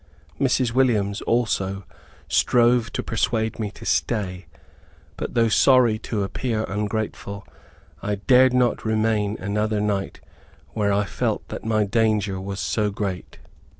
Mrs. Williams, also, strove to persuade me to stay. But, though sorry to appear ungrateful, I dared not remain another night where I felt that my danger was so great.